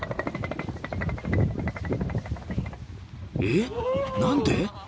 ［えっ何で？］